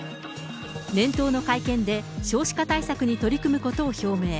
年頭の会見で、少子化対策に取り組むことを表明。